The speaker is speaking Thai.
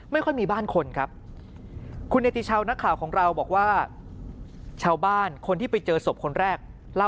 ไม่ค่อยมีบ้านคนครับฮของเราบอกว่าชาวบ้านคนที่ไปเจอศพคนแรก